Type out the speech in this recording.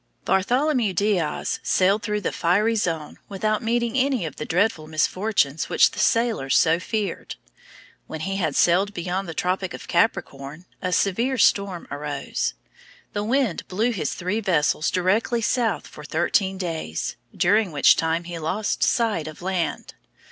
Bartholomew Diaz sailed through the fiery zone without meeting any of the dreadful misfortunes which the sailors so feared. When he had sailed beyond the tropic of Capricorn, a severe storm arose. The wind blew his three vessels directly south for thirteen days, during which time he lost sight of land.